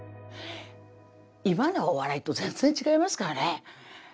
今のお笑いと全然違いますからね。